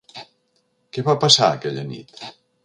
Què va passar, aquella nit?